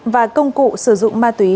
và công cụ sử dụng ma túy